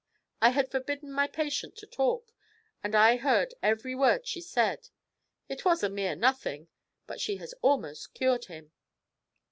I had forbidden my patient to talk, and I heard every word she said. It was a mere nothing, but she has almost cured him.'